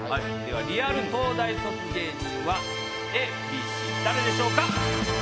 リアル東大卒芸人はＡＢＣ誰でしょうか？